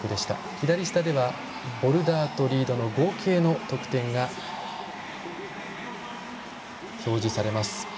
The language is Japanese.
左下ではボルダーとリードの合計の得点が表示されます。